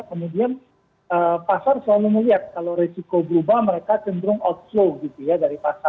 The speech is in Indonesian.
kemudian pasar selalu melihat kalau risiko berubah mereka cenderung outflow gitu ya dari pasar kita gitu ya